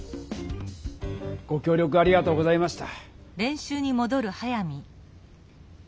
ごきょう力ありがとうございました。